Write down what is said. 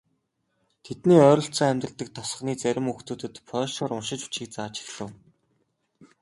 Тэдний ойролцоо амьдардаг тосгоны зарим хүүхдүүдэд польшоор уншиж бичихийг зааж эхлэв.